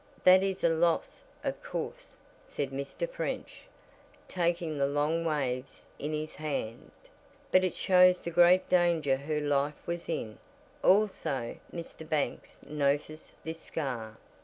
"That is a loss, of course," said Mr. French, taking the long waves in his hand, "but it shows the great danger her life was in. Also, Mr. Banks, notice this scar.